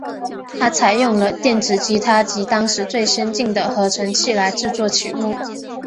它采用了电子吉他及当时最先进的合成器来制作曲目。